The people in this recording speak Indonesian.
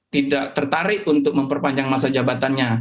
tidak tertarik untuk memperpanjang masa jabatannya